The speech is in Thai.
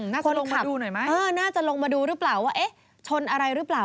น่าจะลงมาดูหน่อยไหมน่าจะลงมาดูรึเปล่าว่าเอ๊ะชนอะไรรึเปล่า